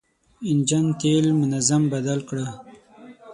انجن تېل منظم بدل کړه.